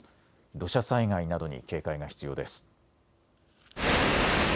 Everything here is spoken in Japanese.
土砂災害などに警戒が必要です。